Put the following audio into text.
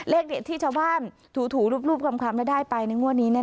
เลขที่ชาวบ้านถูรูปคำคำได้ไปในวันนี้